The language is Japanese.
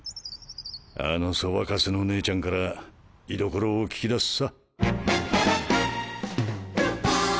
あのソバカスの姉ちゃんから居所を聞き出すさ。